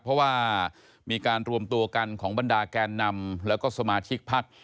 เพราะว่ามีการรวมตัวกันของบรรดาแกนนำแล้วก็สมาชิกพัก